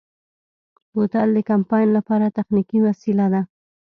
بوتل د کمپاین لپاره تخنیکي وسیله ده.